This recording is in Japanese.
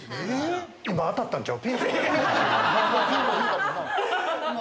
今、当たったんちゃう？